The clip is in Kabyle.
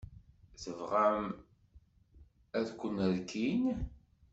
Tebɣam ad ken-rkin?